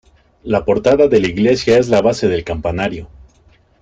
La portada de la iglesia es la base del campanario.